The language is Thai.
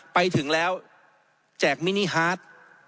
ไปถึงแล้วแจกมินิฮาร์ด